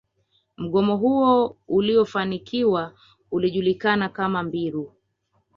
Mgomo huo uliofanikiwa ulijulikana kama mbiru